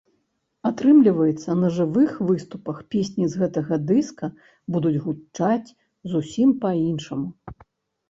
Атрымліваецца, на жывых выступах песні з гэтага дыска будуць гучаць зусім па-іншаму!?